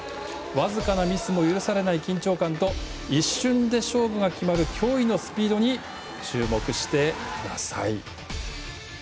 僅かなミスも許されない緊張感と一瞬で勝負が決まる驚異のスピードに注目してください。